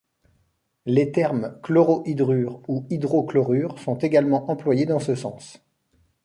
Les termes chlorohydrure ou hydrochlorure sont également employés dans ce sens.